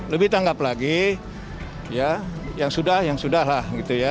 lebih tanggap lagi ya yang sudah yang sudah lah gitu ya